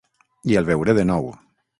I el veuré de nou.